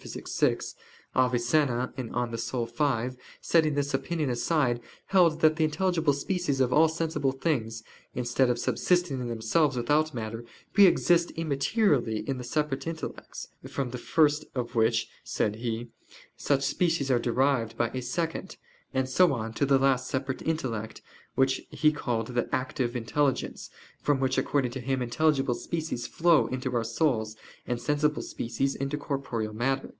vi), Avicenna (De Anima v) setting this opinion aside, held that the intelligible species of all sensible things, instead of subsisting in themselves without matter, pre exist immaterially in the separate intellects: from the first of which, said he, such species are derived by a second, and so on to the last separate intellect which he called the "active intelligence," from which, according to him, intelligible species flow into our souls, and sensible species into corporeal matter.